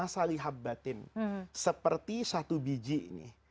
seperti satu biji ini